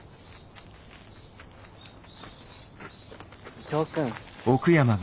伊藤君。